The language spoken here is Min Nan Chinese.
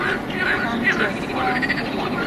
東石鄉